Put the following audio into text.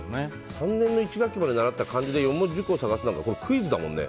３年１学期までに習った漢字で４文字熟語を探すとかクイズだもんね。